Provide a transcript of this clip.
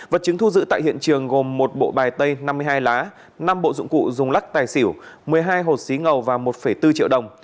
vật chứng thu giữ tại hiện trường gồm một bộ bài tay năm mươi hai lá năm bộ dụng cụ dùng lắc tài xỉu một mươi hai hột xí ngầu và một bốn triệu đồng